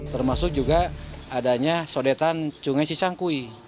termasuk juga adanya sodetan cungesicangkui